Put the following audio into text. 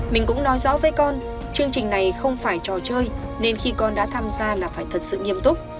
mình cũng nói rõ với con chương trình này không phải trò chơi nên khi con đã tham gia là phải thật sự nghiêm túc